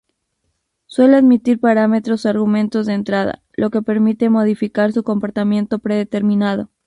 Suele admitir parámetros o argumentos de entrada, lo que permite modificar su comportamiento predeterminado.